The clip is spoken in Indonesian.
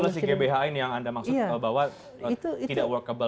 itulah sih gbhn yang anda maksudkan bahwa